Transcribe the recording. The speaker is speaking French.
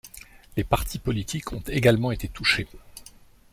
Les partis politiques ont également été touchés.